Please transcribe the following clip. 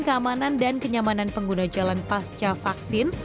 keamanan dan kenyamanan pengguna jalan pasca vaksin